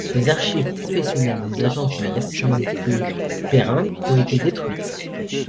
Les archives professionnelles des agences de Hyacinthe Perrin ont été détruites.